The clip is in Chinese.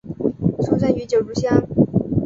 出生于九如乡。